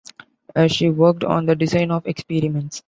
Here she worked on the design of experiments.